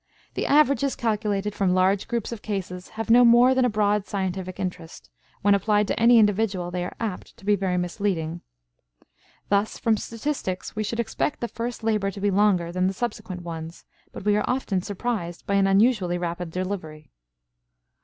The averages calculated from large groups of cases have no more than a broad scientific interest; when applied to any individual they are apt to be very misleading. Thus, from statistics we should expect the first labor to be longer than subsequent ones, but we are often surprised by an unusually rapid delivery.